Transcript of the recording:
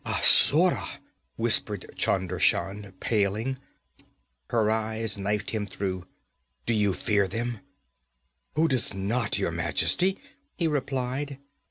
'Asura!' whispered Chunder Shan, paling. Her eyes knifed him through. 'Do you fear them?' 'Who does not, Your Majesty?' he replied.